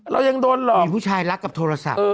เรายังโดนหลอกมีผู้ชายรักกับโทรศัพท์